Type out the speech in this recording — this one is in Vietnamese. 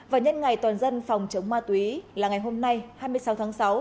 và nhân ngày toàn dân phòng chống ma túy là ngày hôm nay hai mươi sáu tháng sáu